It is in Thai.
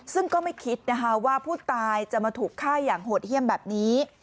ซึ่งก็ไม่คิดนะคะว่าผู้ตายจะมาถูกฆ่าอย่างโหดเยี่ยมแบบนี้